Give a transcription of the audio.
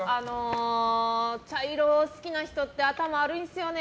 茶色を好きな人って頭悪いんすよね